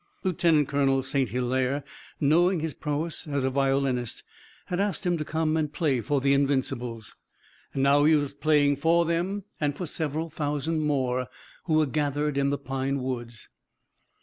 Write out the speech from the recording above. Lieutenant Colonel St. Hilaire, knowing his prowess as a violinist, had asked him to come and play for the Invincibles. Now he was playing for them and for several thousand more who were gathered in the pine woods.